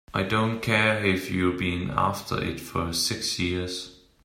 I don't care if you've been after it for six years!